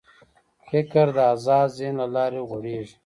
فکر د آزاد ذهن له لارې غوړېږي.